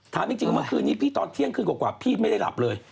ถามจริงเมื่อคืนนี้พี่ตอนเที่ยงคืนกว่าพี่ไม่ได้หลับเลย